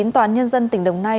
tòa án nhân dân tỉnh đồng nai